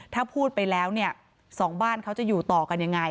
ถ้าพูดไปแล้วเนี่ยสองบ้านเขาจะอยู่ต่อกันยังไง